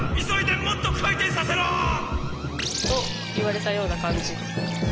急いでもっと回転させろ！と言われたような感じ。